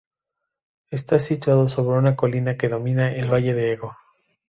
Estás situado sobre una colina que domina el valle del Ego.